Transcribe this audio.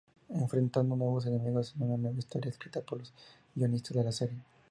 Enfrentando nuevos enemigos en una nueva historia escrita por los guionistas de la serie.